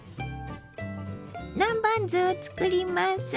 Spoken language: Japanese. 南蛮酢をつくります。